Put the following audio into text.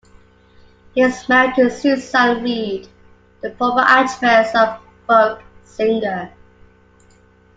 He was married to Susan Reed, the former actress and folk singer.